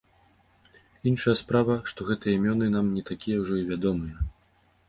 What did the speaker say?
Іншая справа, што гэтыя імёны нам не такія ўжо і вядомыя.